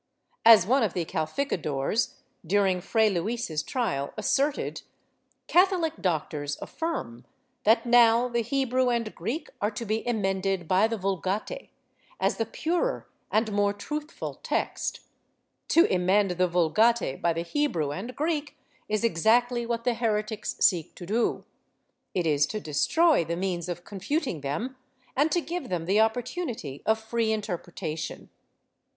As one of the calificadores, during Fray Luis's trial, asserted ''Catholic doctors affirm that now the Hebrew and Greek are to be emended l^y the Vulgate, as the purer and more truthful text. To emend the Vulgate by the Hebrew and Greek is exactly what the heretics seek to do. It is to destroy the means of confu ting them and to give them the opportunity of free interpretation."